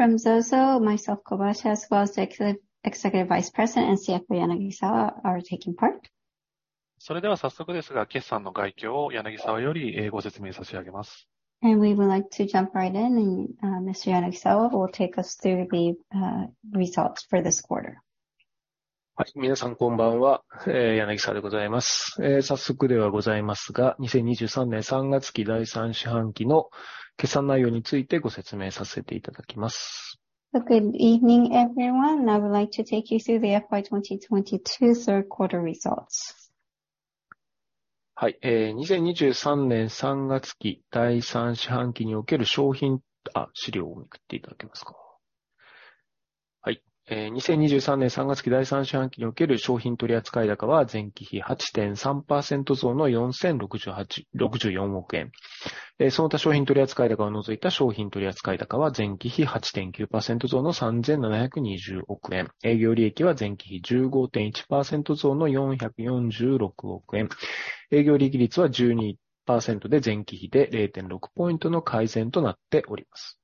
From ZOZO, myself, Kobayashi, as well as Executive Vice President and CFO, Yanagisawa, are taking part. それでは早速ですが、決算の概況を柳沢よりご説明差し上げます。We would like to jump right in. Mr. Yanagisawa will take us through the results for this quarter. はい、皆さんこんばんは。柳沢でございます。早速ではございますが、二千二十三年三月期第三四半期の決算内容についてご説明させていただきます。Good evening, everyone. I would like to take you through the FY 2022 third quarter results. はい。二千二十三年三月期第三四半期における商品--あ、資料をめくっていただけますか。はい。二千二十三年三月期第三四半期における商品取り扱い高は、前期比八点三パーセント増の四千六十四億円。その他商品取り扱い高を除いた商品取り扱い高は、前期比八点九パーセント増の三千七百二十億円。営業利益は前期比十五点一パーセント増の四百四十六億円。営業利益率は十二パーセントで、前期比で零点六ポイントの改善となっております。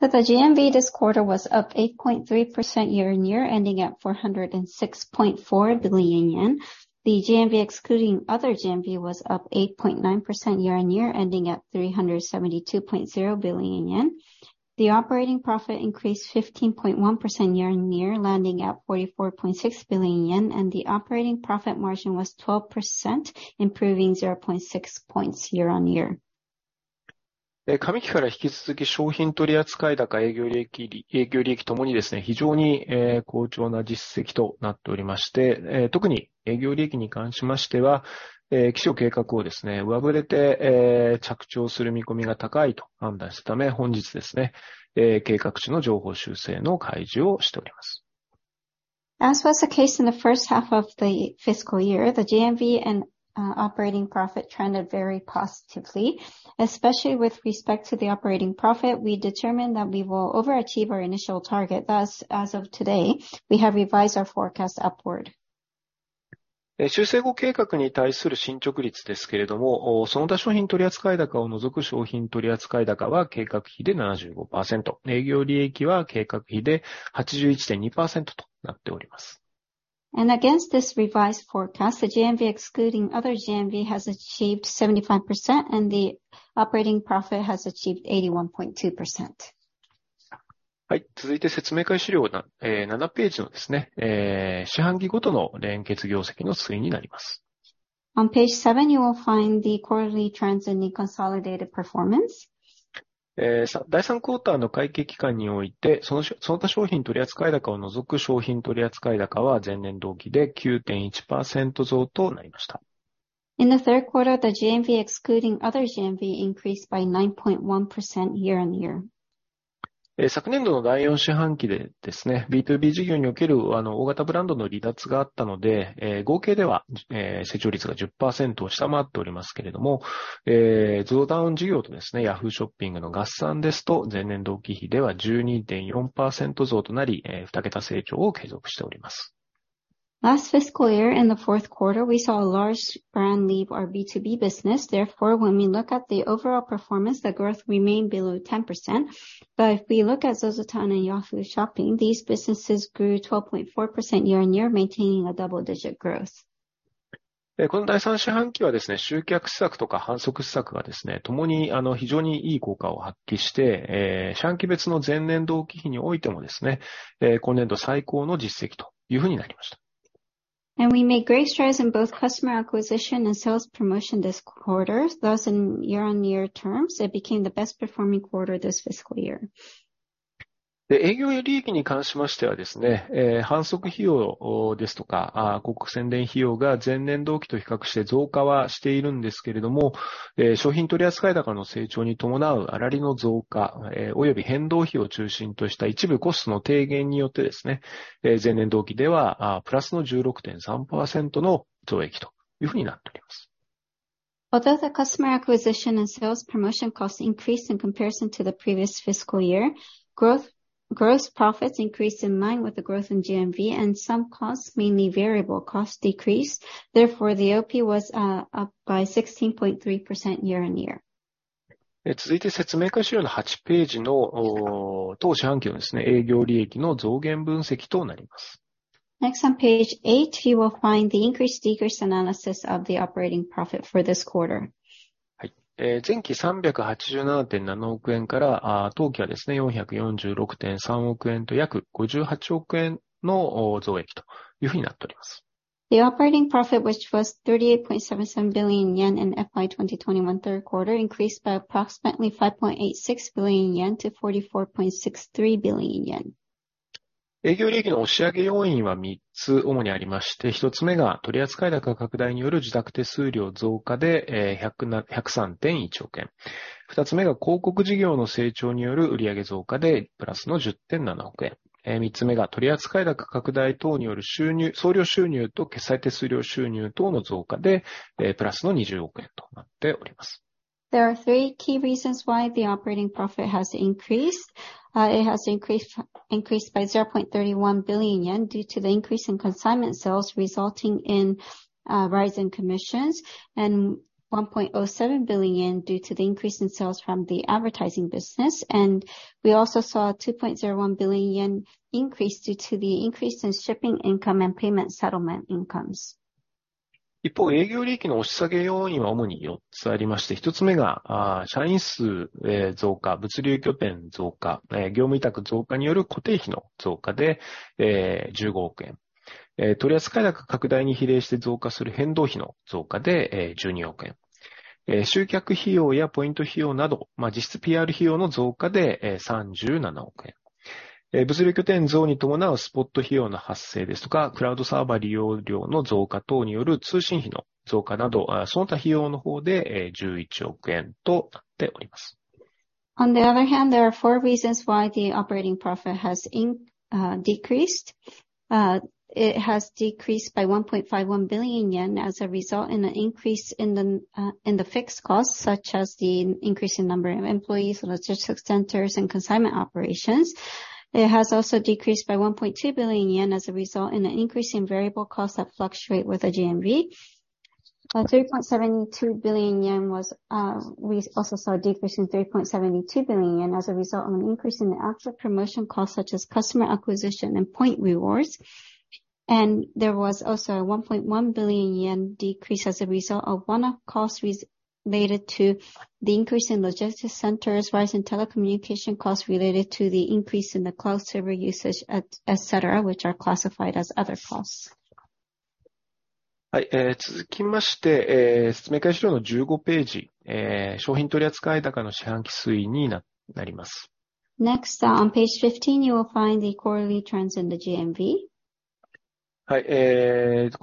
The GMV this quarter was up 8.3% year-on-year, ending at 406.4 billion yen. The GMV, excluding other GMV, was up 8.9% year-on-year, ending at 372.0 billion yen. The operating profit increased 15.1% year-on-year, landing at 44.6 billion yen, and the operating profit margin was 12%, improving 0.6 points year-on-year. 上期から引き続き、商品取り扱い高、営業利益、営業利益ともにですね、非常に好調な実績となっておりまして、特に営業利益に関しましては、期初計画をですね、上振れて着地をする見込みが高いと判断したため、本日ですね、計画値の上方修正の開示をしております。As was the case in the first half of the fiscal year, the GMV and operating profit trended very positively, especially with respect to the operating profit. We determined that we will overachieve our initial target. As of today, we have revised our forecast upward. 修正後計画に対する進捗率ですけれども、その他商品取り扱い高を除く商品取り扱い高は計画比で七十五パーセント、営業利益は計画比で八十一点二パーセントとなっております。Against this revised forecast, the GMV excluding other GMV has achieved 75% and the operating profit has achieved 81.2%. はい。続いて説明会資料の七ページのですね、えー、四半期ごとの連結業績の推移になります。On page seven, you will find the quarterly trends in the consolidated performance. えー、第三クオーターの会計期間において、そのし-その他商品取り扱い高を除く商品取り扱い高は、前年同期で九点一パーセント増となりました。In the third quarter, the GMV excluding other GMV increased by 9.1% year-on-year. 昨年度の fourth quarter です ね, BtoB 事業における大型ブランドの離脱があったの で, 合計で は, 成長率が 10% を下回っておりますけれど も, ZOZOTOWN 事業とです ね, Yahoo! Shopping の合算です と, 前年同期比では 12.4% 増とな り, double-digit growth を継続しておりま す. Last fiscal year, in the fourth quarter, we saw a large brand leave our B2B business. When we look at the overall performance, the growth remained below 10%. If we look at ZOZOTOWN and Yahoo! Shopping, these businesses grew 12.4% year-on-year, maintaining a double-digit growth. え、この第三四半期はですね、集客施策とか販促施策がですね、ともに、あの、非常にいい効果を発揮して、えー、四半期別の前年同期比においてもですね、えー、今年度最高の実績というふうになりました。We made great strides in both customer acquisition and sales promotion this quarter. In year-on-year terms, it became the best performing quarter this fiscal year. 営業利益に関しましてはですね、えー、販促費用ですとか、広告宣伝費用が前年同期と比較して増加はしているんですけれども、えー、商品取り扱い高の成長に伴う粗利の増加、えー、および変動費を中心とした一部コストの低減によってですね、えー、前年同期では、あー、プラスの十六点三パーセントの増益というふうになっております。Although the customer acquisition and sales promotion costs increased in comparison to the previous fiscal year, growth-gross profits increased in line with the growth in GMV and some costs, mainly variable costs, decreased. The OP was up by 16.3% year-on-year. え、続いて説明会資料の八ページの、おー、当四半期のですね、営業利益の増減分析となります。Next, on page eight, you will find the increase decrease analysis of the operating profit for this quarter. はい。え、前期三百八十七点七億円から、あー、当期はですね、四百四十六点三億円と、約五十八億円の、おー、増益というふうになっております。The operating profit, which was 38.77 billion yen in FY 2021 third quarter, increased by approximately 5.86 billion yen to 44.63 billion yen. 営業利益の押し上げ要因は3つ主にありまし て, first が取り扱い高拡大による受託手数料増加 で, JPY 10.31 billion. second が広告事業の成長による売上増加で +JPY 1.07 billion. third が取り扱い高拡大等による総量収入と決済手数料収入等の増加 で, +JPY 2 billion となっておりま す. There are three key reasons why the operating profit has increased. It has increased by 0.31 billion yen due to the increase in consignment sales resulting in a rise in commissions and 1.07 billion due to the increase in sales from the advertising business. We also saw 2.01 billion increase due to the increase in shipping income and payment settlement incomes. On the other hand, there are four reasons why the operating profit has decreased. It has decreased by 1.51 billion yen as a result in the increase in the fixed costs such as the increase in number of employees, logistics centers and consignment operations. It has also decreased by 1.2 billion yen as a result in the increasing variable costs that fluctuate with the GMV. We also saw a decrease in 3.72 billion as a result of an increase in the actual promotion costs such as customer acquisition and point rewards. There was also a 1.1 billion yen decrease as a result of one-off costs related to the increase in logistics centers, rise in telecommunication costs related to the increase in the cloud server usage, etc., which are classified as other costs. Next, on page 15, you will find the quarterly trends in the GMV. The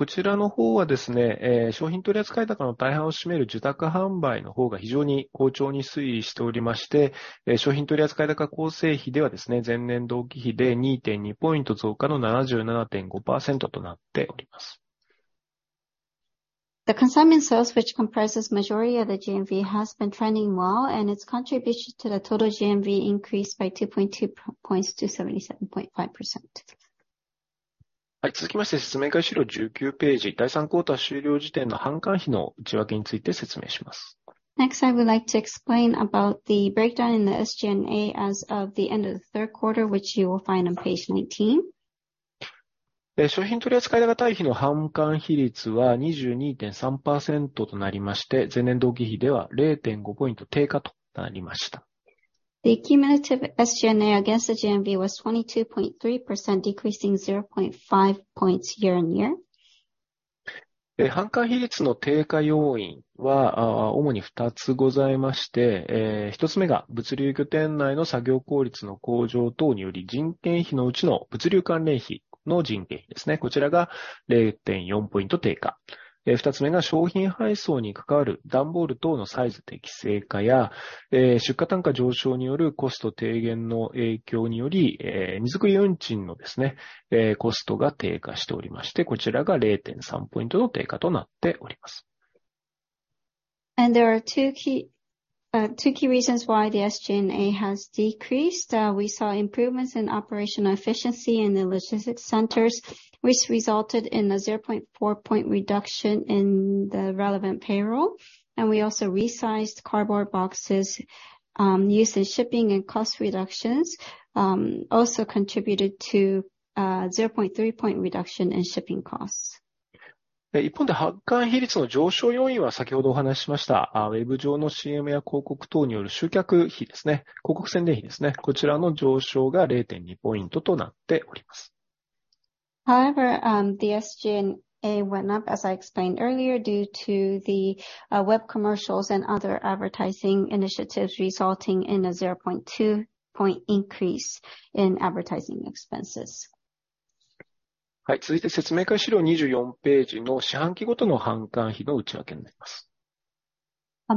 consignment sales, which comprises majority of the GMV, has been trending well, and its contribution to the total GMV increased by 2.2 percentage points to 77.5%. Next, I would like to explain about the breakdown in the SG&A as of the end of the third quarter, which you will find on page 19. The cumulative SG&A against the GMV was 22.3%, decreasing 0.5 points year-on-year. There are two key reasons why the SG&A has decreased. We saw improvements in operational efficiency in the logistics centers, which resulted in a 0.4 point reduction in the relevant payroll. We also resized cardboard boxes used in shipping and cost reductions also contributed to 0.3 point reduction in shipping costs. However, the SG&A went up as I explained earlier, due to the web commercials and other advertising initiatives resulting in a 0.2 point increase in advertising expenses. On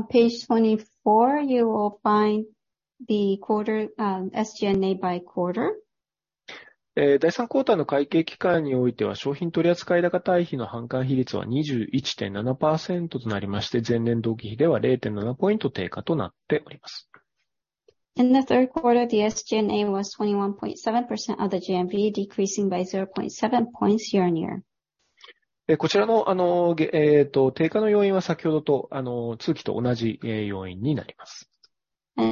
page 24, you will find the quarter SG&A by quarter. In the third quarter, the SG&A was 21.7% of the GMV, decreasing by 0.7 points year-over-year.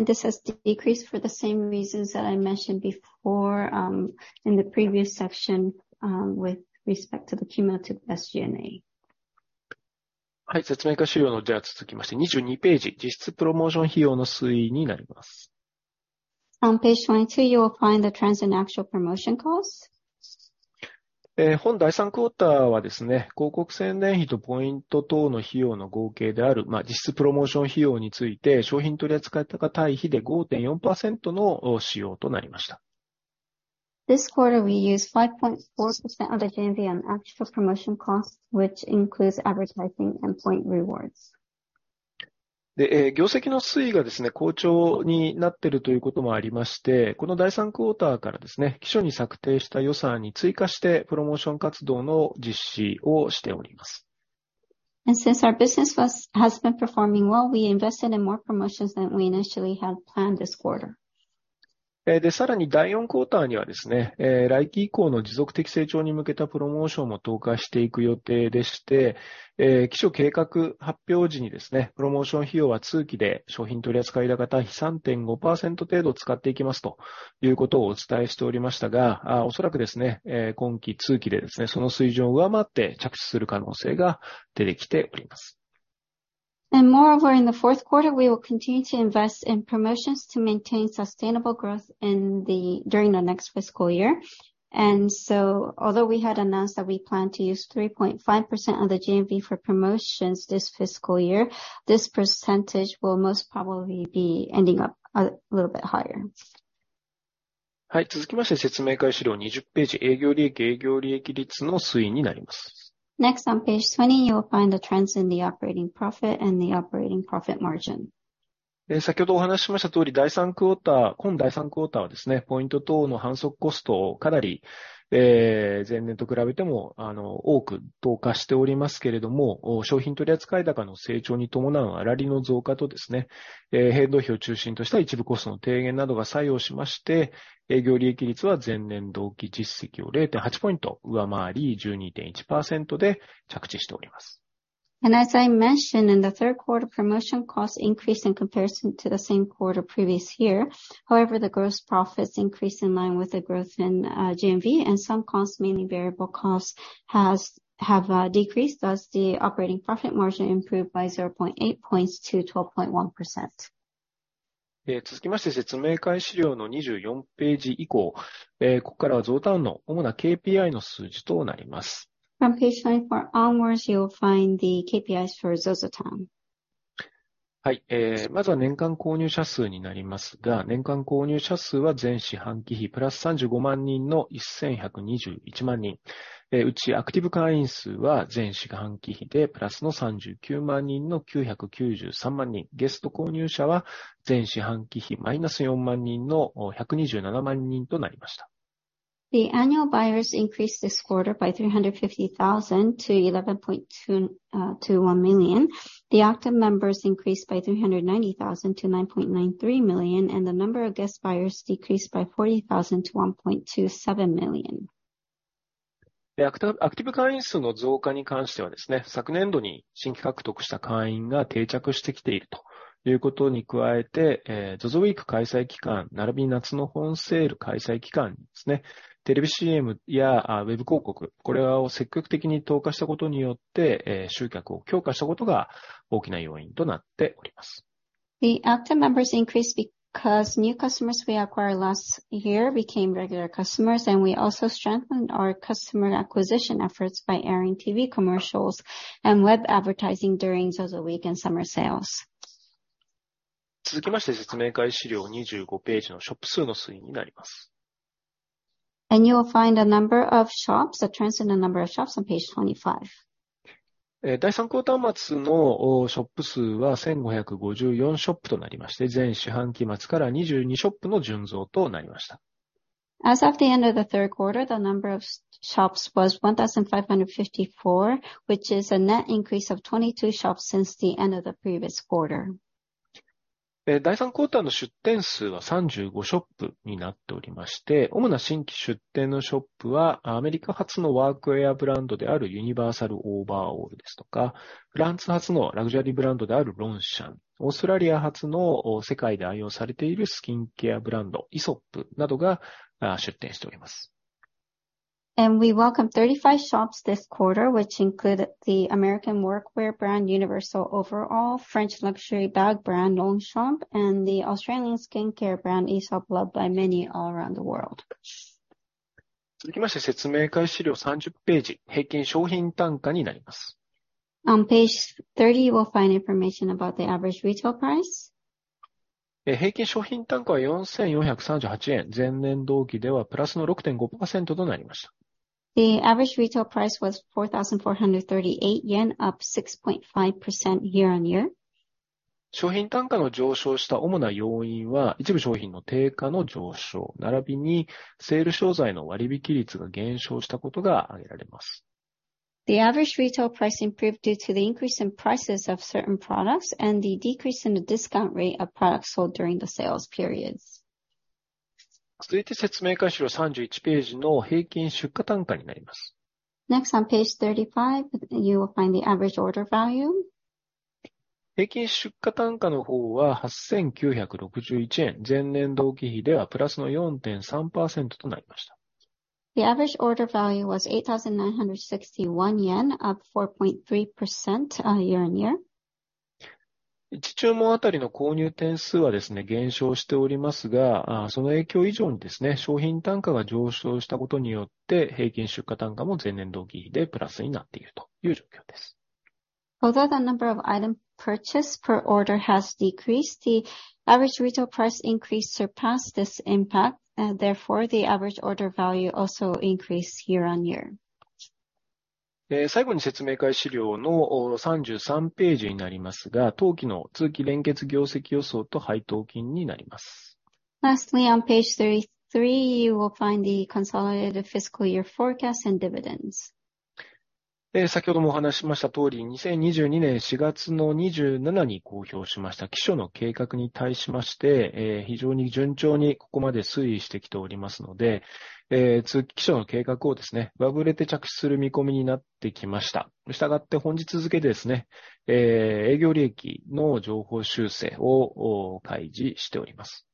This has decreased for the same reasons that I mentioned before, in the previous section, with respect to the cumulative SG&A. On page 22, you will find the trends in actual promotion costs. This quarter we used 5.4% of the GMV on actual promotion costs, which includes advertising and point rewards. Since our business has been performing well, we invested in more promotions than we initially had planned this quarter. えー、で、さらに第四クオーターにはですね、えー、来期以降の持続的成長に向けたプロモーションも投下していく予定でして、えー、期初計画発表時にですね、プロモーション費用は通期で商品取り扱い高対比三点五パーセント程度使っていきますということをお伝えしておりましたが、あ、おそらくですね、えー、今期通期でですね、その水上を上回って着地する可能性が出てきております。Moreover, in the fourth quarter, we will continue to invest in promotions to maintain sustainable growth during the next fiscal year. Although we had announced that we plan to use 3.5% of the GMV for promotions this fiscal year, this percentage will most probably be ending up a little bit higher. はい、続きまして説明会資料二十ページ、営業利益、営業利益率の推移になります。Next on page 20, you will find the trends in the operating profit and the operating profit margin. 先ほどお話ししましたとおり、第三クオーター、今第三クオーターはポイント等の販促コストをかなり、前年と比べても多く投下しておりますけれども、商品取り扱い高の成長に伴う粗利の増加と変動費を中心とした一部コストの低減などが作用しまして、営業利益率は前年同期実績を 0.8 percentage points 上回り、12.1% で着地しております。As I mentioned, in the third quarter, promotion costs increased in comparison to the same quarter previous year. However, the gross profits increased in line with the growth in GMV and some costs, mainly variable costs, have decreased. Thus, the operating profit margin improved by 0.8 points to 12.1%. えー、続きまして説明会資料の二十四ページ以降、えー、ここからはゾゾタウンの主な KPI の数字となります。On page 24 onwards, you'll find the KPIs for ZOZOTOWN. はい、えー、まずは年間購入者数になりますが、年間購入者数は前四半期比プラス三十五万人の千百二十一万人。え、うちアクティブ会員数は前四半期比でプラスの三十九万人の九百九十三万人。ゲスト購入者は前四半期比マイナス四万人の、おー、百二十七万人となりました。The annual buyers increased this quarter by 350,000 to 11.2, to 1 million. The active members increased by 390,000 to 9.93 million, the number of guest buyers decreased by 40,000 to 1.27 million. アクティブ会員数の増加に関してはですね、昨年度に新規獲得した会員が定着してきているということに加えて、ZOZOWEEK 開催期間ならびに夏の本セール開催期間にですね、テレビ CM や、ウェブ広告、これを積極的に投下したことによって、集客を強化したことが大きな要因となっております。The active members increased because new customers we acquired last year became regular customers. We also strengthened our customer acquisition efforts by airing TV commercials and web advertising during ZOZOWEEK and summer sales. 続きまして、説明会資料二十五ページのショップ数の推移になります。You will find a number of shops that trends in the number of shops on page 25. えー、第三四半末の、おー、ショップ数は千五百五十四ショップとなりまして、前四半期末から二十二ショップの純増となりました。As of the end of the third quarter, the number of shops was 1,554, which is a net increase of 22 shops since the end of the previous quarter. 3rd quarter の出店数は35 shops になっておりまして、主な新規出店のショップは、アメリカ発のワークウェアブランドである Universal Overall ですとか、フランス発のラグジュアリーブランドである Longchamp、オーストラリア発の、世界で愛用されているスキンケアブランド、Aesop などが出店しております。We welcome 35 shops this quarter, which include the American workwear brand Universal Overall, French luxury bag brand Longchamp, and the Australian skincare brand Aesop, loved by many all around the world. 続きまして、説明会資料三十ページ、平均商品単価になります。On page 30, you will find information about the average retail price. えー、平均商品単価は四千四百三十八円、前年同期ではプラスの六点五パーセントとなりました。The average retail price was JPY 4,438, up 6.5% year-on-year. 商品単価が上昇した主な要因は、一部商品の定価の上昇、ならびにセール商材の割引率が減少したことが挙げられます。The average retail price improved due to the increase in prices of certain products and the decrease in the discount rate of products sold during the sales periods. 続いて説明会資料三十一ページの平均出荷単価になります。Next on page 35, you will find the average order value. 平均出荷単価の方は八千九百六十一円、前年同期比ではプラスの四点三パーセントとなりました。The average order value was JPY 8,961, up 4.3% year-on-year. 一注文あたりの購入点数はですね、減少しておりますが、その影響以上にですね、商品単価が上昇したことによって、平均出荷単価も前年同期比でプラスになっているという状況です。Although the number of item purchased per order has decreased, the average retail price increase surpassed this impact, therefore, the average order value also increased year-on-year. えー、最後に説明会資料の、おー、三十三ページになりますが、当期の通期連結業績予想と配当金になります。Lastly, on page 33, you will find the consolidated fiscal year forecast and dividends. 先ほどもお話ししましたとお り, 4/27/2022 に公表しました期初の計画に対しまし て, 非常に順調にここまで推移してきておりますの で, 期初の計画をです ね, 上振れて着地する見込みになってきまし た. したがっ て, 本日付でです ね, 営業利益の上方修正を開示しておりま す.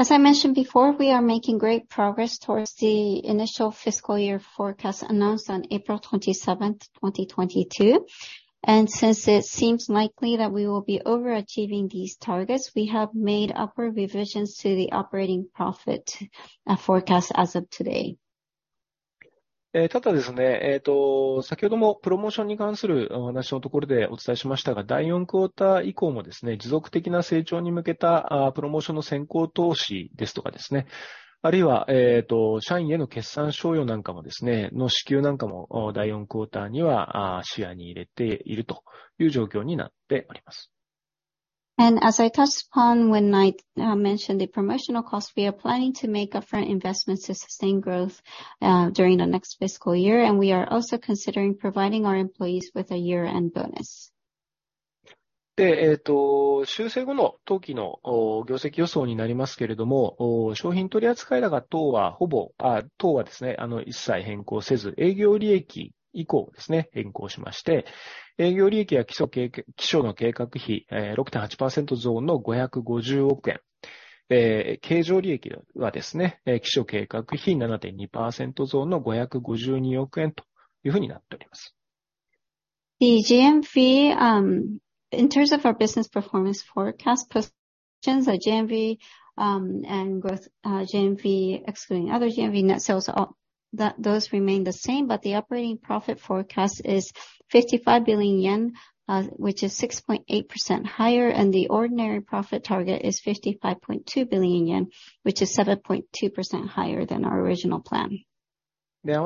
As I mentioned before, we are making great progress towards the initial fiscal year forecast announced on April 27th, 2022. Since it seems likely that we will be overachieving these targets, we have made upward revisions to the operating profit forecast as of today. えー、ただですね、えーと、先ほどもプロモーションに関するお話のところでお伝えしましたが、第4クオーター以降もですね、持続的な成長に向けたプロモーションの先行投資ですとかですね、あるいは社員への決算賞与なんかもですね、の支給なんかも第4クオーターには視野に入れているという状況になっております。As I touched upon when I mentioned the promotional cost, we are planning to make upfront investments to sustain growth during the next fiscal year, and we are also considering providing our employees with a year-end bonus. で、えーと、修正後の当期の業績予想になりますけれども、商品取り扱い高等はほぼ、等はですね、一切変更せず、営業利益以降ですね、変更しまして、営業利益は期初、期初の計画比六点八パーセント増の五百五十億円、えー、経常利益はですね、期初計画比七点二パーセント増の五百五十二億円というふうになっております。The GMV, in terms of our business performance forecast positions like GMV, and growth, GMV excluding other GMV net sales, all that those remain the same. The operating profit forecast is JPY 55 billion, which is 6.8% higher, and the ordinary profit target is JPY 55.2 billion, which is 7.2% higher than our original plan. で、併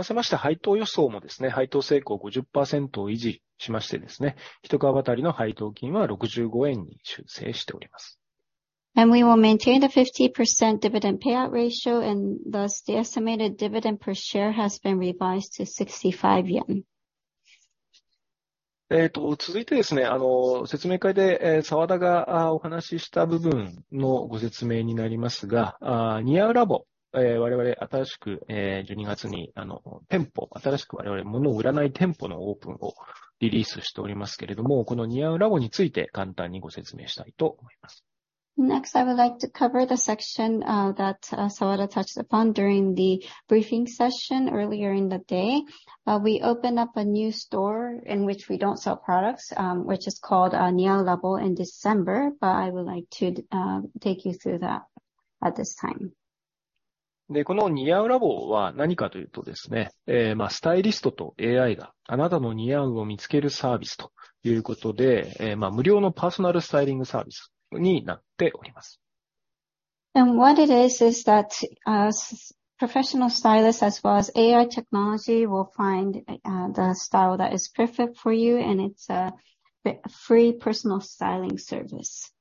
せまして配当予想もですね、配当性向五十パーセントを維持しましてですね、一株当たりの配当金は六十五円に修正しております。We will maintain the 50% dividend payout ratio and thus the estimated dividend per share has been revised to JPY 65. えーと、続いてですね、あの説明会で澤田がお話しした部分のご説明になりますが、あー、niaulab、えー、我々新しく十二月に店舗、新しく我々物を売らない店舗のオープンをリリースしておりますけれども、この niaulab について簡単にご説明したいと思います。Next, I would like to cover the section that Sawada touched upon during the briefing session earlier in the day. We open up a new store in which we don't sell products, which is called niaulab in December, but I would like to take you through that at this time. で、この niaulab は何かというとですね、えーまあ、スタイリストと AI があなたの似合うを見つけるサービスということで、えーまあ、無料のパーソナルスタイリングサービスになっております。What it is is that as professional stylists as well as AI technology will find the style that is perfect for you. It's a free personal styling service.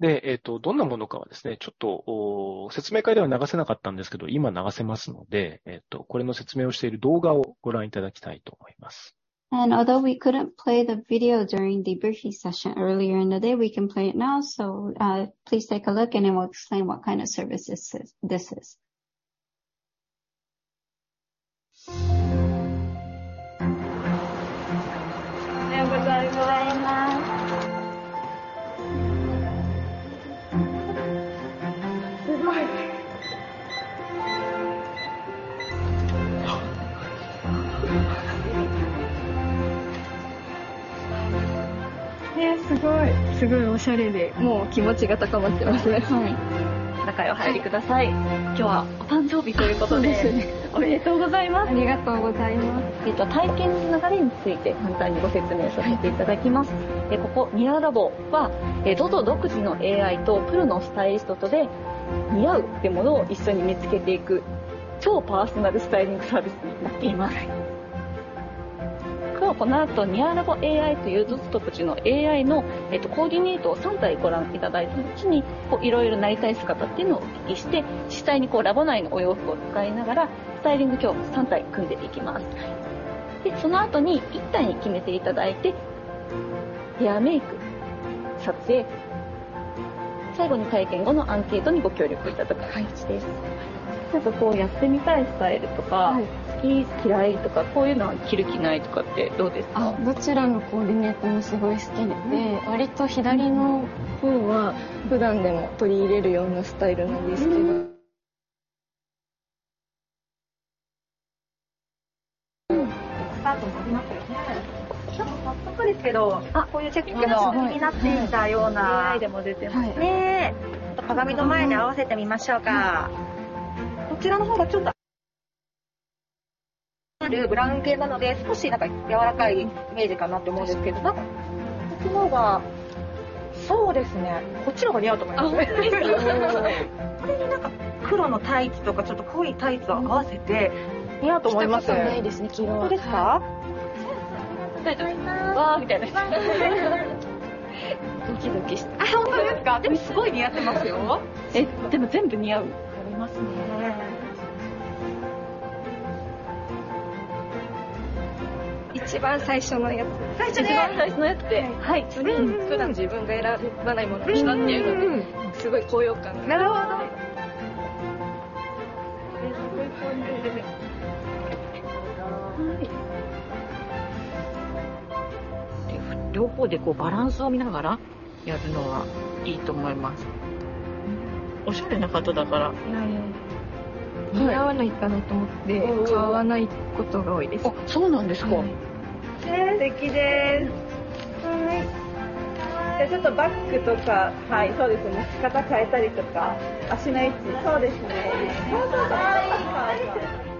で、えーと、どんなものかはですね、ちょっと説明会では流せなかったんですけど、今流せますので、えーと、これの説明をしている動画をご覧いただきたいと思います。Although we couldn't play the video during the briefing session earlier in the day, we can play it now. Please take a look and it will explain what kind of service this is. おはようございます。すごい。すごいおしゃれで、もう気持ちが高まっています。中へお入りください。今日はお誕生日ということで。そうです ね. おめでとうございます。ありがとうございます。えっと、体験の流れについて簡単にご説明させていただきます。ここ niaulab は ZOZO 独自の AI とプロのスタイリストとで似合うってものを一緒に見つけていく超パーソナルスタイリングサービスになっています。今日はこの後、niaulab AI という ZOZO 独自の AI のコーディネートを三体ご覧いただいた後に、いろいろなりたい姿っていうのをお聞きして、実際にこうラボ内のお洋服を使いながらスタイリング、今日三体組んでいきます。で、その後に一体に決めていただいて、ヘアメイク、撮影、最後に体験後のアンケートにご協力いただく感じです。ちょっとこうやってみたいスタイルとか好き嫌いとか、こういうのは着る着ないとかってどうです か？ どちらのコーディネートもすごい好きで、割と左の方は普段でも取り入れるようなスタイルなんですけど。スタートしますよね。ちょっと早速ですけど、こういうチェックのになっていたような。はい。ね。鏡の前に合わせてみましょうか。こちらの方がちょっと。ブラウン系なので少しなんか柔らかいイメージかなと思うんですけど、なんかこっちの方が、そうですね、こっちの方が似合うと思います。いい。これになんか黒のタイツとかちょっと濃いタイツを合わせて似合うと思います。着たことないです ね. 本当です か？ 大丈夫。わーみたいです。ドキドキして。本当です か？ でもすごい似合ってますよ。え？ でも全部似合う。合います ね. 一番最初のやつ。最初ね。一番最初のやつって、普段自分が選ばないものだったっていうので、すごい高揚感。なるほど。こういう感じで。両方でバランスを見ながらやるのはいいと思いま す. おしゃれな方だか ら. 似合わないかなと思って買わないことが多いです。そうなんですか。はい。素敵です。はい。ちょっとバッグとか。はい、そうですね。持ち方変えたりとか。足の位置。そうですね。そうそう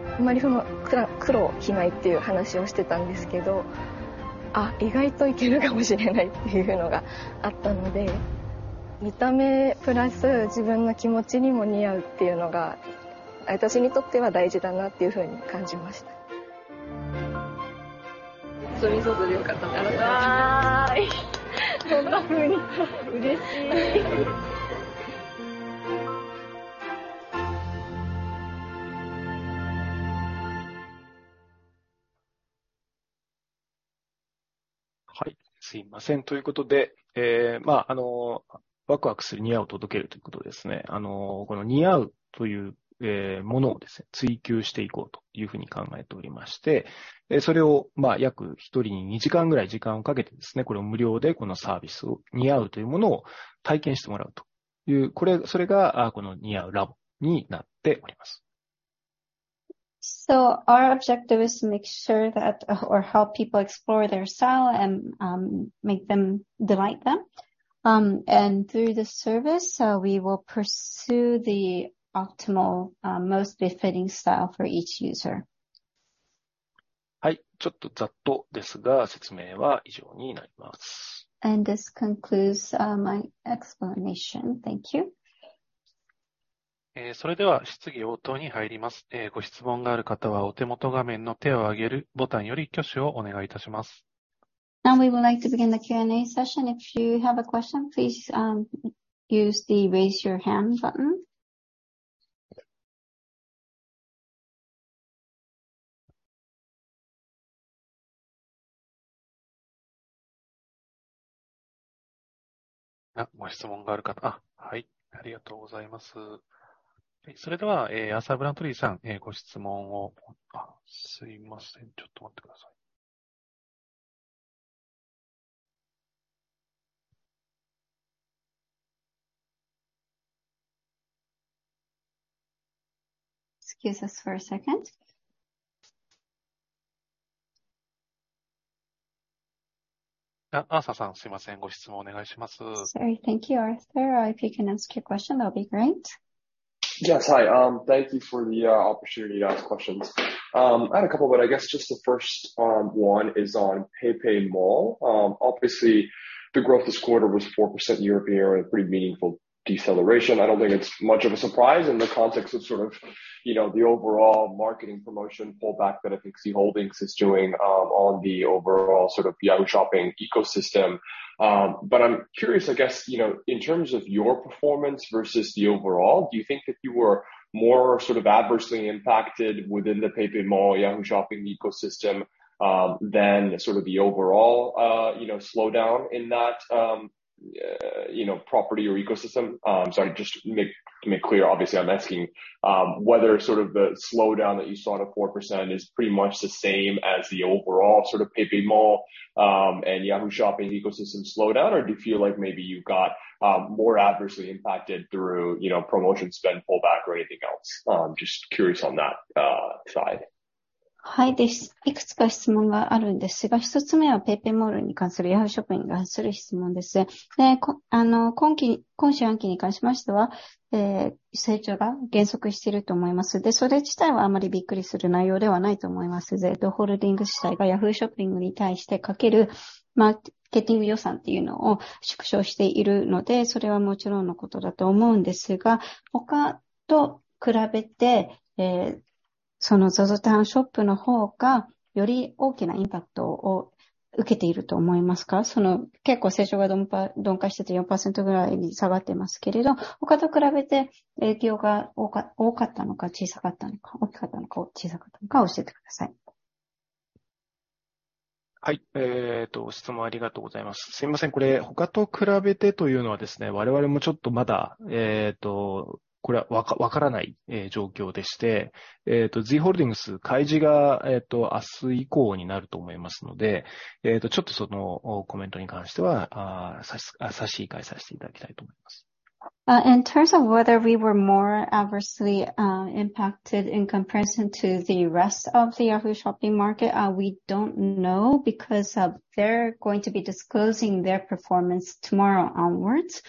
そう。マリフも普段黒を着ないっていう話をしてたんですけど、あ、意外といけるかもしれないっていうのがあったので、見た目プラス自分の気持ちにも似合うっていうのが私にとっては大事だなっていうふうに感じました。思い外でよかった。わーい。そんな風に。嬉しい。はい、すいません。ということで、まああの、ワクワクする似合うを届けるということでですね、あの、この似合うという、えー、ものをですね、追求していこうというふうに考えておりまして、それをまあ約一人に二時間ぐらい時間をかけてですね、これを無料でこのサービスを、似合うというものを体験してもらうという、これそれがこの似合うラボになっております。Our objective is to help people explore their style and make them delight them. Through the service, we will pursue the optimal, most befitting style for each user. はい、ちょっとざっとですが、説明は以上になります。This concludes my explanation. Thank you. えー、それでは質疑応答に入ります。えー、ご質問がある方は、お手元画面の手を上げるボタンより挙手をお願いいたします。Now we would like to begin the Q&A session. If you have a question, please use the raise your hand button. ご質問がある方。はい、ありがとうございます。はい、それではアーサーブラントリーさん。ご質問を。あ、すいません。ちょっと待ってください。Excuse us for a second. アーサーさん、すいません。ご質問お願いします。Thank you, Harlan Sur. If you can ask your question, that'll be great. Yes. Hi. Thank you for the opportunity to ask questions. I had a couple, but I guess just the first one is on PayPay Mall. Obviously the growth this quarter was 4% year-over-year and pretty meaningful deceleration. I don't think it's much of a surprise in the context of sort of, you know, the overall marketing promotion pullback that I think Z Holdings is doing on the overall sort of Yahoo! Shopping Ecosystem. I'm curious, I guess, you know, in terms of your performance versus the overall, do you think that you were more sort of adversely impacted within the PayPay Mall Yahoo! Shopping Ecosystem than sort of the overall, you know, slowdown in that, you know, property or ecosystem? Sorry, just to make clear, obviously I'm asking whether sort of the slowdown that you saw at a 4% is pretty much the same as the overall sort of PayPay Mall and Yahoo Shopping ecosystem slowdown, or do you feel like maybe you got more adversely impacted through, you know, promotion, spend pullback or anything else? Just curious on that side. はい。です。いくつか質問があるんですが、一つ目は PayPay モールに関するヤフーショッピングに関する質問です。で、あの、今期、今四半期に関しましては、えー、成長が減速していると思います。で、それ自体はあまりびっくりする内容ではないと思います。Z ホールディングス自体が Yahoo ショッピングに対してかけるマーケティング予算っていうのを縮小しているので、それはもちろんのことだと思うんですが、他と比べて、えー、その ZOZOTOWN ショップの方がより大きなインパクトを受けていると思います か？ その結構成長が鈍化してて四パーセントぐらいに下がってますけれど、他と比べて影響が多かったのか小さかったのか、大きかったのか小さかったのか教えてください。はい。えーと、質問ありがとうございます。すいません。これ他と比べてというのはですね、我々もちょっとまだ、えーと、これはわからない状況でして。えーと、Z ホールディングス開示が、えーと、明日以降になると思いますので、えーと、ちょっとそのコメントに関しては、あー、差し、差し控えさせていただきたいと思います。In terms of whether we were more adversely impacted in comparison to the rest of the Yahoo! Shopping market, we don't know because they're going to be disclosing their performance tomorrow onwards.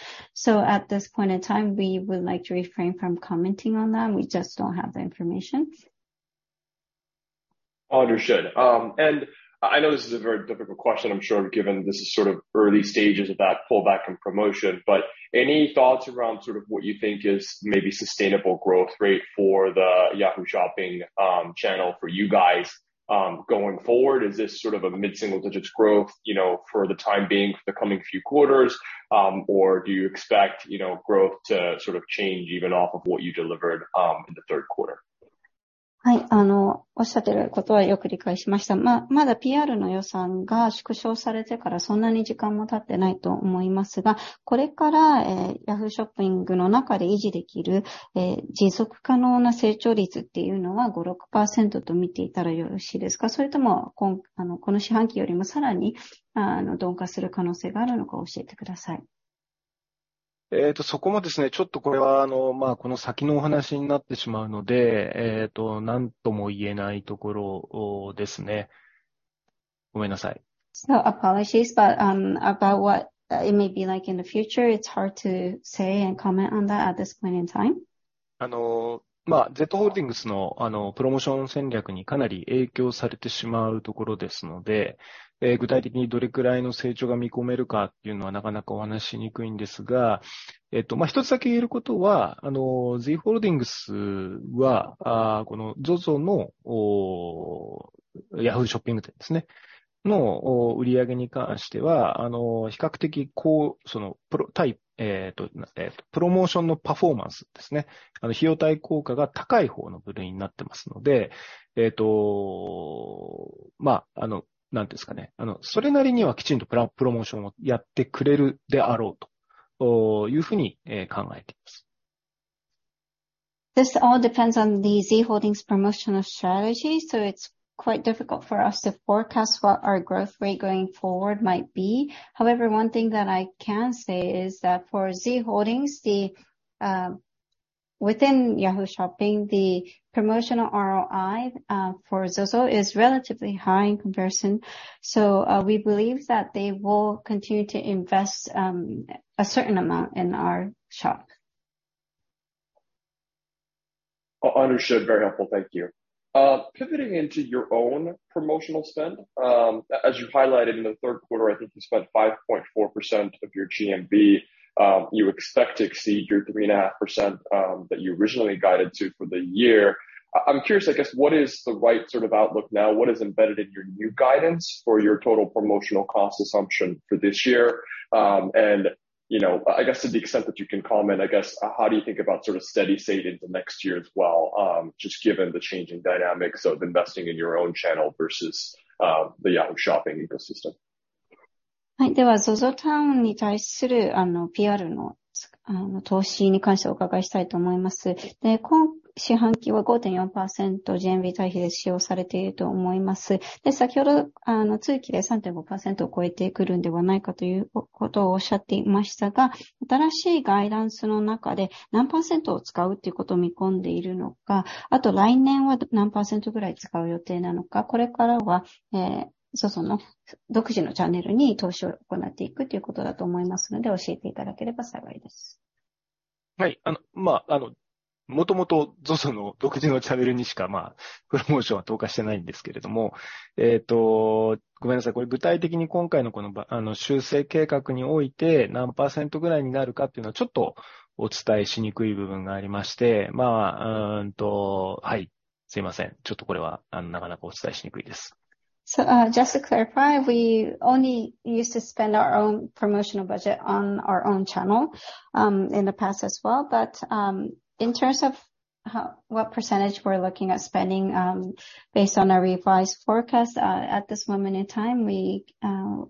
At this point in time, we would like to refrain from commenting on that. We just don't have the information. Understood. I know this is a very difficult question. I'm sure given this is sort of early stages of that pullback and promotion, but any thoughts around sort of what you think is maybe sustainable growth rate for the Yahoo! Shopping channel for you guys going forward? Is this sort of a mid single digits growth, you know, for the time being for the coming few quarters? Do you expect growth to sort of change even off of what you delivered in the third quarter? はい、あの、おっしゃってることはよく理解しました。ま、まだ PR の予算が縮小されてからそんなに時間も経ってないと思いますが、これから Yahoo ショッピングの中で維持できる持続可能な成長率っていうのは五、六パーセントと見ていたらよろしいです か？ それともこの四半期よりもさらに鈍化する可能性があるのかを教えてください。えーと、そこもですね、ちょっとこれは、あの、まあ、この先のお話になってしまうので、えーと、何とも言えないところですね。ごめんなさい。Apologies. About what it may be like in the future. It's hard to say and comment on that at this point in time. Z Holdings の promotion 戦略にかなり影響されてしまうところですので、具体的にどれくらいの成長が見込めるかっていうのはなかなかお話ししにくいんですが、一つだけ言えることは Z Holdings はこの ZOZO の Yahoo! Shopping 店ですね。の売上に関しては比較的高 promotion のパフォーマンスですね。費用対効果が高い方の部類になってますので。何ですかね、それなりにはきちんと promotion をやってくれるであろうというふうに考えています。This all depends on the Z Holdings promotional strategy. It's quite difficult for us to forecast what our growth rate going forward might be. However, one thing that I can say is that for Z Holdings, the within Yahoo! Shopping, the promotional ROI for ZOZO is relatively high in comparison. We believe that they will continue to invest a certain amount in our shop. Understood. Very helpful. Thank you. Pivoting into your own promotional spend. As you highlighted in the third quarter, I think you spent 5.4% of your GMV. You expect to exceed your three and a half percent, that you originally guided to for the year. I'm curious, I guess what is the right sort of outlook now? What is embedded in your new guidance for your total promotional cost assumption for this year? You know, I guess to the extent that you can comment, I guess, how do you think about sort of steady state into next year as well? Just given the changing dynamics of investing in your own channel versus, the Yahoo! Shopping ecosystem. はい。では、ゾゾタウンに対する、あの、PR の、あの投資に関してお伺いしたいと思います。で、今四半期は五点四パーセント、GMV 対比で使用されていると思います。で、先ほど、あの、通期で三点五パーセントを超えてくるんではないかということをおっしゃっていましたが、新しいガイダンスの中で何パーセントを使うということを見込んでいるのか。あと、来年は何パーセントぐらい使う予定なのか。これからは、えー、ZOZO の独自のチャンネルに投資を行っていくということだと思いますので、教えていただければ幸いです。はい。あの、まあ、あの、元 々ZOZO の独自のチャンネルにしか、まあ、プロモーションは投下してないんですけれども。えーと、ごめんなさい。これ具体的に今回のこの、あの修正計画において 何%ぐ らいになるかっていうのはちょっとお伝えしにくい部分がありまして。まあ、うーんと、はい。すいません、ちょっとこれはなかなかお伝えしにくいです。Just to clarify, we only used to spend our own promotional budget on our own channel in the past as well. In terms of what percentage we're looking at spending based on our revised forecast at this moment in time, we,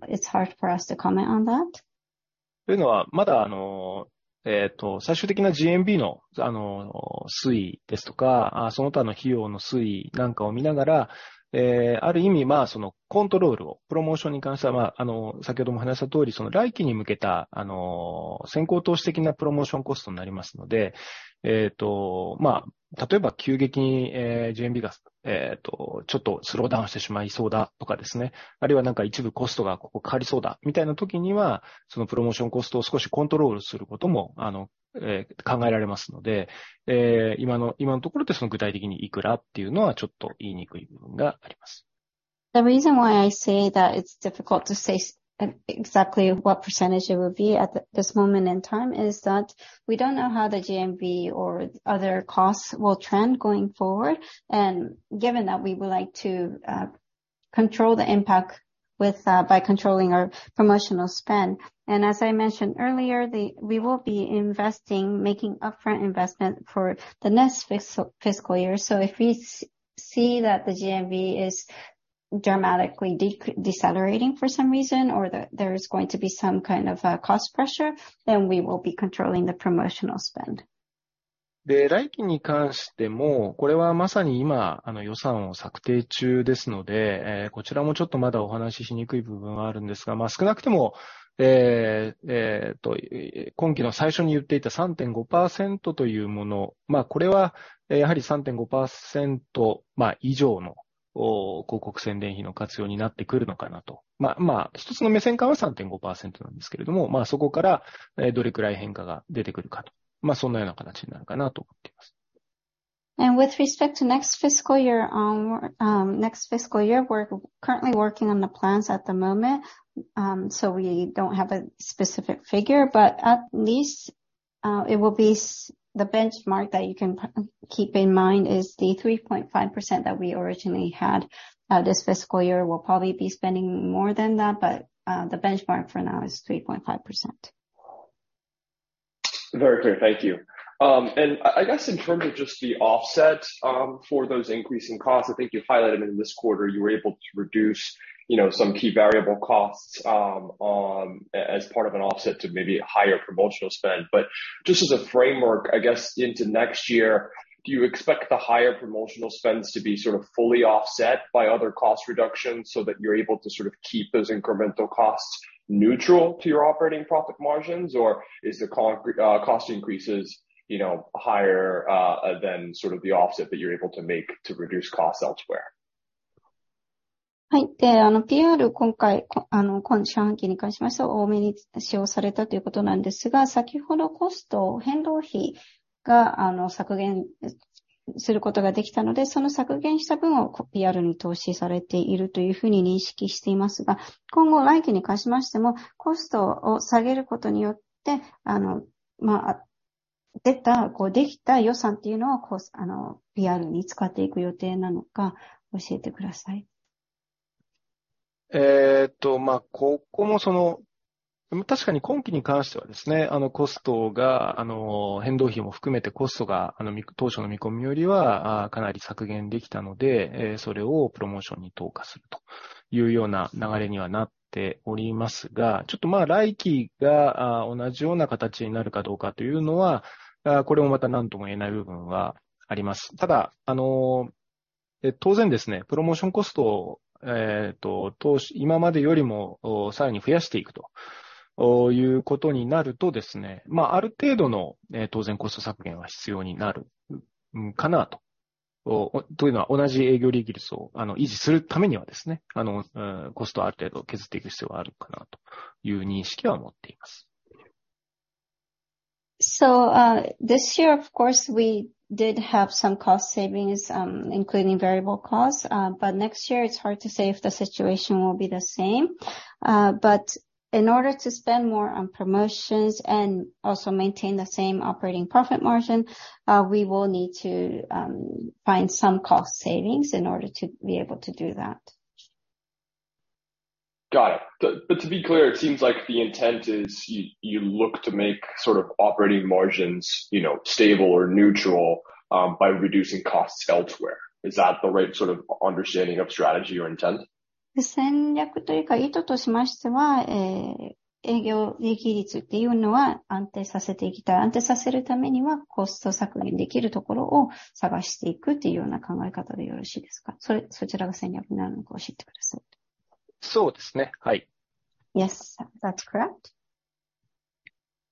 it's hard for us to comment on that. というのは、まだあの、えーと、最終的な GMV の、あの、推移ですとか、その他の費用の推移なんかを見ながら、えー、ある意味、まあそのコントロールを。プロモーションに関しては、まあ、あの、先ほどもお話しした通り、その来期に向けた、あのー、先行投資的なプロモーションコストになりますので。えーと、まあ例えば急激に、えー、GMV が、えーと、ちょっとスローダウンしてしまいそうだとかですね。あるいは何か一部コストがここかかりそうだみたいな時には、そのプロモーションコストを少しコントロールすることも、あの、えー、考えられますので。えー、今の、今のところでその具体的にいくらっていうのはちょっと言いにくい部分があります。The reason why I say that it's difficult to say exactly what percentage it will be at this moment in time is that we don't know how the GMV or other costs will trend going forward. Given that we would like to control the impact with by controlling our promotional spend. As I mentioned earlier, we will be investing making upfront investment for the next fiscal year. If we see that the GMV is dramatically decelerating for some reason, or that there is going to be some kind of cost pressure, then we will be controlling the promotional spend. で、来期に関しても、これはまさに今、あの予算を策定中ですので、えー、こちらもちょっとまだお話ししにくい部分はあるんですが、まあ少なくとも、えーと、今期の最初に言っていた三点五パーセントというもの、まあこれはやはり三点五パーセント、まあ以上の、おー、広告宣伝費の活用になってくるのかなと。ま-まあ一つの目線かは三点五パーセントなんですけれども、まあそこから、えー、どれくらい変化が出てくるかと。そんなような形になるかなと思っています。With respect to next fiscal year, next fiscal year, we're currently working on the plans at the moment, so we don't have a specific figure, but at least it will be the benchmark that you can keep in mind is the 3.5% that we originally had this fiscal year. We'll probably be spending more than that, but the benchmark for now is 3.5%. Very clear. Thank you. I guess in terms of just the offset, for those increasing costs, I think you highlighted in this quarter you were able to reduce, you know, some key variable costs, as part of an offset to maybe a higher promotional spend. Just as a framework, I guess, into next year, do you expect the higher promotional spends to be sort of fully offset by other cost reductions so that you're able to sort of keep those incremental costs neutral to your operating profit margins? Or is the cost increases, you know, higher, than sort of the offset that you're able to make to reduce costs elsewhere? はい。で、あの、PR 今回、あの、今四半期に関しましては多めに使用されたということなんですが、先ほどコスト、変動費があの削減することができたので、その削減した分を PR に投資されているというふうに認識していますが、今後、来期に関しましてもコストを下げることによって、あの、まあ出た、こうできた予算っていうのをコス--あの PR に使っていく予定なのか教えてください。えーと、まあここもその、確かに今期に関してはですね、あのコストが、あの変動費も含めてコストが当初の見込みよりはかなり削減できたので、それをプロモーションに投下するというような流れにはなっておりますが、ちょっとまあ来期が同じような形になるかどうかというのは、これもまた何とも言えない部分はあります。ただ、あの当然ですね、プロモーションコストを、えーと、投資、今までよりもさらに増やしていくということになるとですね、まあある程度の当然コスト削減は必要になるかなと。というのは、同じ営業利益率を維持するためにはですね、あのコストをある程度削っていく必要はあるかなという認識は持っています。This year of course, we did have some cost savings, including variable costs. Next year it's hard to say if the situation will be the same. In order to spend more on promotions and also maintain the same operating profit margin, we will need to find some cost savings in order to be able to do that. Got it. To be clear, it seems like the intent is you look to make sort of operating margins, you know, stable or neutral by reducing costs elsewhere. Is that the right sort of understanding of strategy or intent? 戦略というか、意図としましては、えー、営業利益率っていうのは安定させていきたい。安定させるためには、コスト削減できるところを探していくっていうような考え方でよろしいです か？ それ、そちらが戦略になるのか教えてください。そうですね。はい。Yes, that's correct.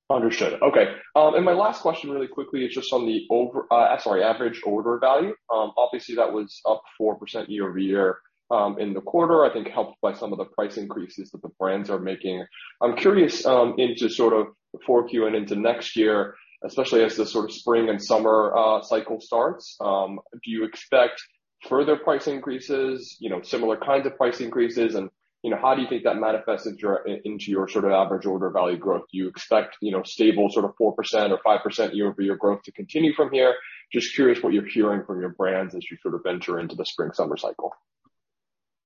Understood. OK. My last question really quickly is just on the sorry, average order value. Obviously that was up 4% year-over-year in the quarter, I think helped by some of the price increases that the brands are making. I'm curious into sort of 4Q and into next year, especially as the sort of spring and summer cycle starts. Do you expect further price increases, you know, similar kinds of price increases? You know, how do you think that manifests into your sort of average order value growth? Do you expect, you know, stable sort of 4% or 5% year-over-year growth to continue from here? Just curious what you're hearing from your brands as you sort of venture into the spring summer cycle.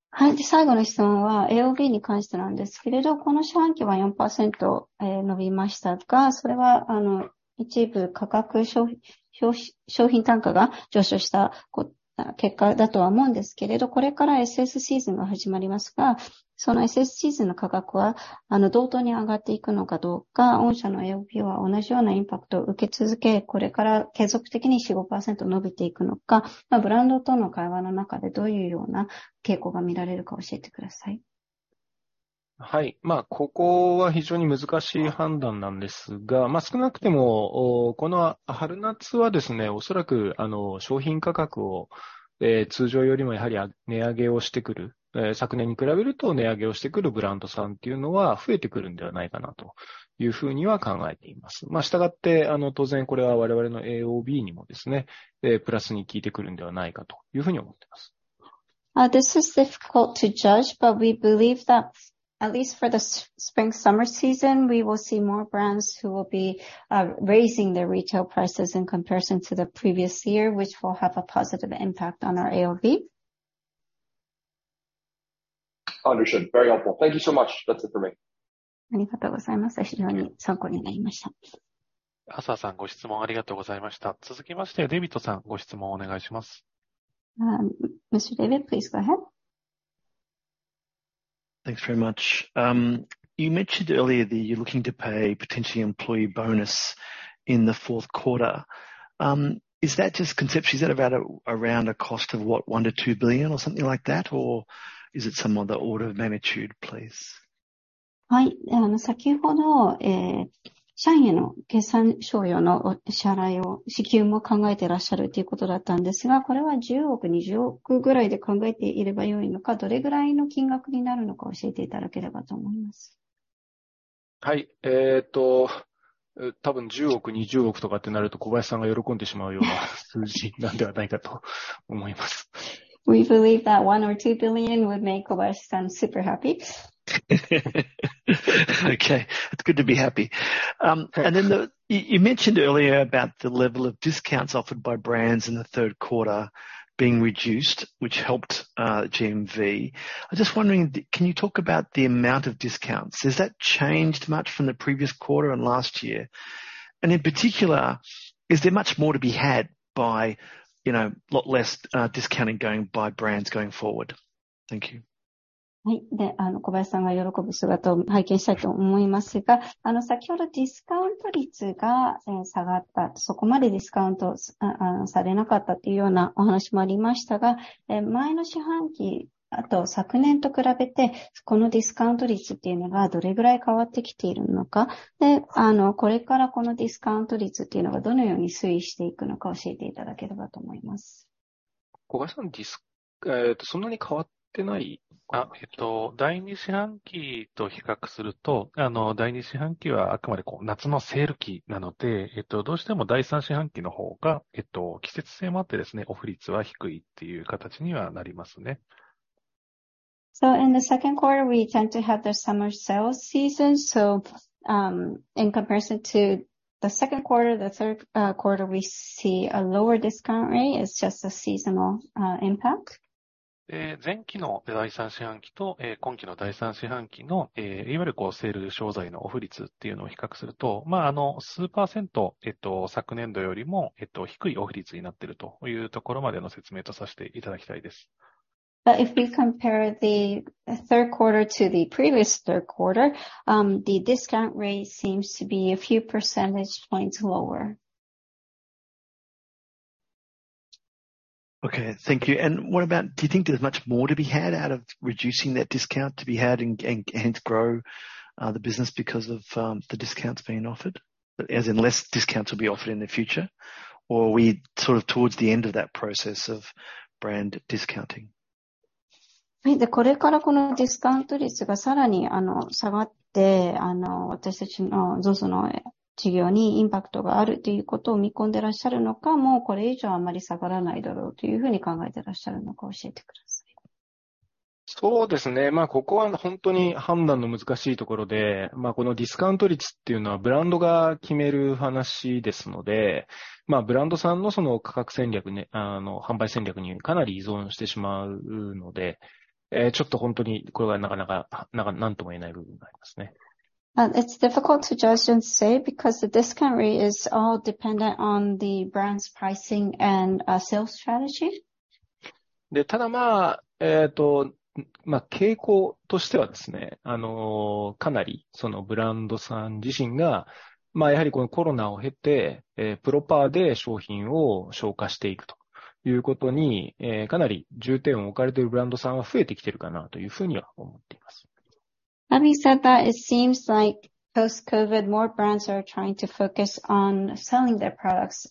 はい。最後の質問は AOB に関してなんですけれど、この四半期は四パーセント、えー、伸びましたが、それはあの、一部価格、商品、商品単価が上昇した結果だとは思うんですけれど、これから SS シーズンが始まりますが、その SS シーズンの価格は同等に上がっていくのかどうか。御社の AOB は同じようなインパクトを受け続け、これから継続的に四、五パーセント伸びていくのか、ブランドとの会話の中でどういうような傾向が見られるか教えてください。はい。まあここは非常に難しい判断なんですが、まあ少なくともこの春夏はですね、おそらくあの商品価格を通常よりもやはり値上げをしてくる、昨年に比べると値上げをしてくるブランドさんっていうのは増えてくるんではないかなというふうには考えています。まあ従って、あの当然これは我々の AOB にもですね、プラスに効いてくるんではないかというふうに思っています。This is difficult to judge, we believe that at least for the spring summer season, we will see more brands who will be raising their retail prices in comparison to the previous year, which will have a positive impact on our AOB. Understood. Very helpful. Thank you so much. That's it for me. ありがとうございます。非常に参考になりました。浅田さん、ご質問ありがとうございました。続きまして、デビットさんご質問をお願いします。Mr. David, please go ahead. Thanks very much. You mentioned earlier that you're looking to pay potentially employee bonus in the fourth quarter. Is that just conceptually, is that about around a cost of what, 1 billion-2 billion or something like that? Or is it some other order of magnitude, please? はい。先ほど、えー、社員への決算賞与の支払いを、支給も考えてらっしゃるということだったんですが、これは十億、二十億ぐらいで考えていれば良いのか、どれぐらいの金額になるのか教えていただければと思います。はい。えーと、多分十億、二十億とかってなると、小林さんが喜んでしまうような数字なのではないかと思います。We believe that 1 billion or 2 billion would make Kobayashi-san super happy. Okay. It's good to be happy. Then the-- You mentioned earlier about the level of discounts offered by brands in the third quarter being reduced, which helped GMV. I'm just wondering, can you talk about the amount of discounts? Has that changed much from the previous quarter and last year? In particular, is there much more to be had by, you know, a lot less discounting going by brands going forward? Thank you. はい。あの小林さんが喜ぶ姿を拝見したいと思いますが、あの先ほどディスカウント率が下がった、そこまでディスカウントされなかったというようなお話もありましたが、前の四半期、あと昨年と比べて、このディスカウント率っていうのがどれぐらい変わってきているのか。あの、これからこのディスカウント率っていうのがどのように推移していくのか教えていただければと思います。小林さん、ディス、えーと、そんなに変わってない。あ、えっと、第二四半期と比較すると、あの、第二四半期はあくまでこう夏のセール期なので、えーと、どうしても第三四半期の方が、えーと、季節性もあってですね、オフ率は低いっていう形にはなりますね。In the second quarter, we tend to have the summer sales season. In comparison to the second quarter, the third quarter, we see a lower discount rate. It's just a seasonal impact. えー、前期の第三四半期と、えー、今期の第三四半期の、えー、いわゆるこうセール商材のオフ率っていうのを比較すると、まああの数パーセント、えーと、昨年度よりも、えーと、低いオフ率になっているというところまでの説明とさせていただきたいです。If we compare the third quarter to the previous third quarter, the discount rate seems to be a few percentage points lower. Okay. Thank you. What about do you think there's much more to be had out of reducing that discount to be had and grow the business because of the discounts being offered, as in less discounts will be offered in the future? Or are we sort of towards the end of that process of brand discounting? は い. これからこのディスカウント率がさらに下がっ て, 私たちの ZOZO の事業にインパクトがあるということを見込んでらっしゃるの か, もうこれ以上あまり下がらないだろうというふうに考えてらっしゃるの か, 教えてくださ い. そうですね。まあここは本当に判断の難しいところで、まあこのディスカウント率っていうのはブランドが決める話ですので、まあブランドさんのその価格戦略、あの販売戦略にかなり依存してしまうので、えー、ちょっと本当にこれはなかなか、な-なんとも言えない部分がありますね。It's difficult to judge and say because the discount rate is all dependent on the brand's pricing and sales strategy. ただまあ、ま、傾向としてはですね、かなりそのブランドさん自身が、まあやはりこのコロナを経て、プロパーで商品を消化していくということに、かなり重点を置かれているブランドさんは増えてきているかなというふうには思っています。That being said, that it seems like post-COVID, more brands are trying to focus on selling their products,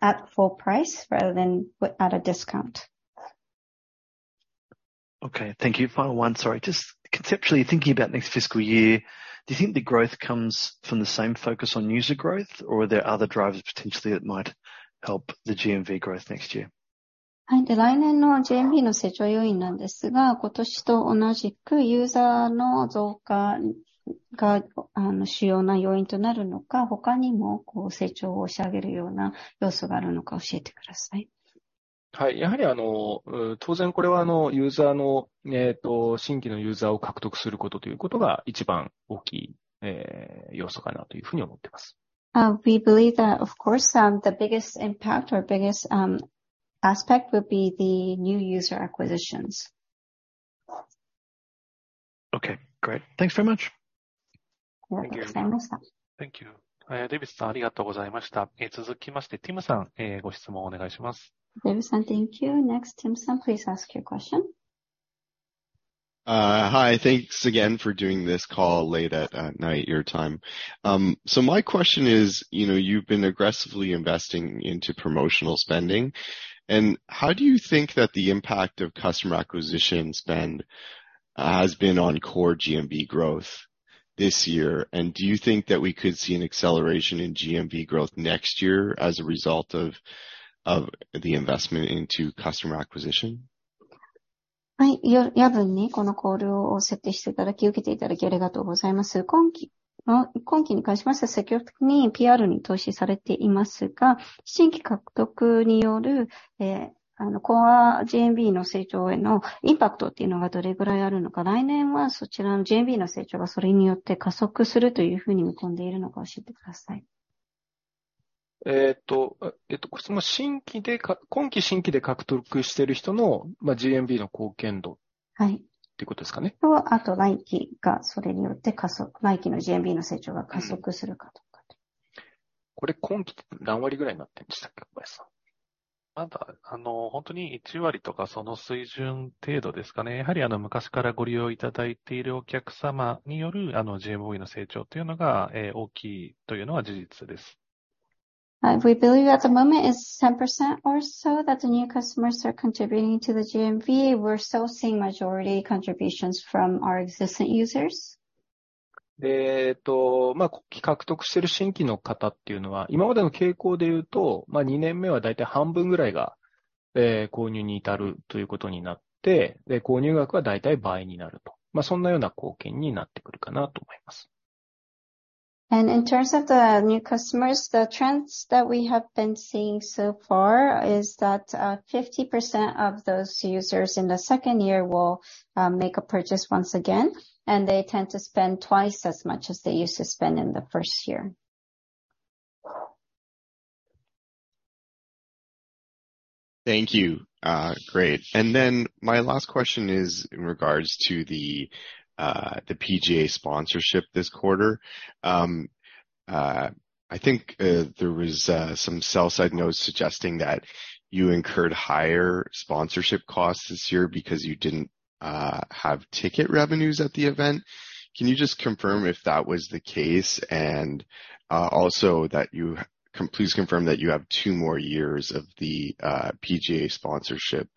at full price rather than at a discount. Thank you. Final one. Sorry. Just conceptually thinking about next fiscal year, do you think the growth comes from the same focus on user growth, or are there other drivers potentially that might help the GMV growth next year? はい。で、来年の GMV の成長要因なんですが、今年と同じくユーザーの増加ん、が、あの主要な要因となるのか、他にもこう成長を押し上げるような要素があるのか教えてください。はい。やはりあの、当然これはあの、ユーザーの、えーと、新規のユーザーを獲得することということが一番大きい、えー、要素かなというふうに思ってます。We believe that of course, the biggest impact or biggest aspect will be the new user acquisitions. Okay, great. Thanks very much. ありがとうございます。Thank you. デヴィスさん、ありがとうございました。続きまして、ティムさん、えー、ご質問お願いします。David, thank you. Next, Tim, please ask your question. Hi. Thanks again for doing this call late at night your time. My question is, you know, you've been aggressively investing into promotional spending, how do you think that the impact of customer acquisition spend has been on core GMV growth this year? Do you think that we could see an acceleration in GMV growth next year as a result of the investment into customer acquisition? はい。夜分にこのコールを設定していただき、受けていただきありがとうございます。今期に関しまして、積極的に PR に投資されていますが、新規獲得による、コア GMV の成長へのインパクトっていうのがどれぐらいあるの か? 来年はそちらの GMV の成長がそれによって加速するというふうに見込んでいるのか教えてくださ い? 質問、今期新規で獲得している人の、まあ GMV の貢献 度? は い. ってことですかね。来期がそれによって加速、来期の GMV の成長が加速するかどうかと。これ今期何割ぐらいになってましたっけ、小林さん。まだ、あの、本当に一割とかその水準程度ですかね。やはりあの昔からご利用いただいているお客様による、あの GMV の成長というのが、えー大きいというのは事実です。We believe at the moment it's 10% or so that the new customers are contributing to the GMV. We're still seeing majority contributions from our existing users. In terms of the new customers, the trends that we have been seeing so far is that 50% of those users in the second year will make a purchase once again, and they tend to spend twice as much as they used to spend in the first year. Thank you. Great. My last question is in regards to the PGA sponsorship this quarter. I think there were some sell side notes suggesting that you incurred higher sponsorship costs this year because you didn't have ticket revenues at the event. Can you just confirm if that was the case and also that you have two more years of the PGA sponsorship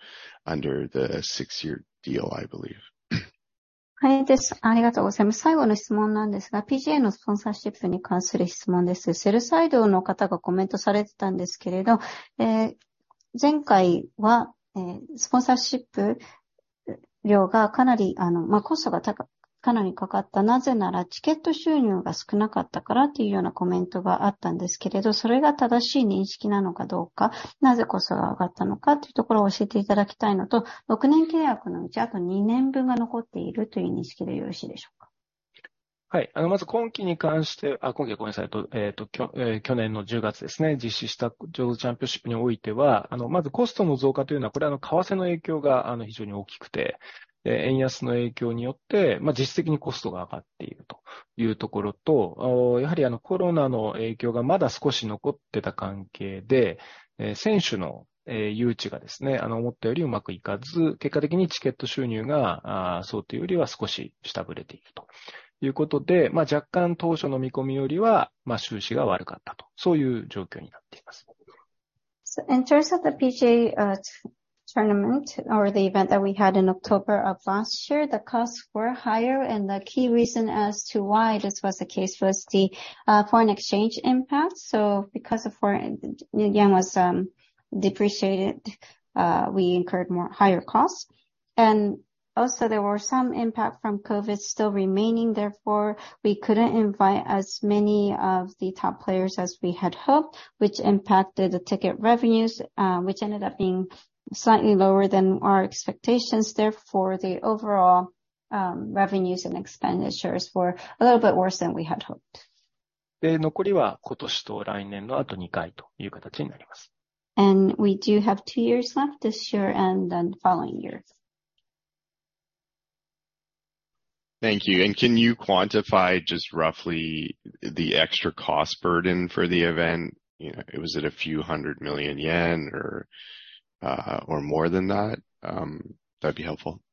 under the six-year deal, I believe? In terms of the PGA tournament or the event that we had in October of last year, the costs were higher. The key reason as to why this was the case was the foreign exchange impact. Because the foreign yen was depreciated, we incurred more higher costs. Also there were some impact from COVID still remaining. Therefore, we couldn't invite as many of the top players as we had hoped, which impacted the ticket revenues, which ended up being slightly lower than our expectations. Therefore, the overall revenues and expenditures were a little bit worse than we had hoped. We do have two years left, this year and then the following year. Thank you. Can you quantify just roughly the extra cost burden for the event? You know, was it a few hundred million JPY or or more than that? That'd be helpful.